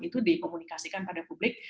itu dikomunikasikan pada publik